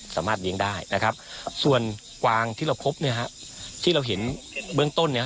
สามารถเลี้ยงได้นะครับส่วนกวางที่เราพบเนี่ยฮะที่เราเห็นเบื้องต้นเนี่ย